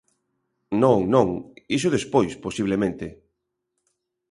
Non, non, iso despois posiblemente.